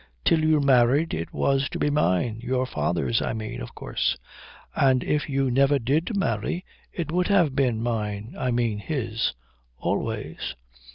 "Till you married it was to be mine your father's, I mean, of course. And if you never did marry it would have been mine I mean his always."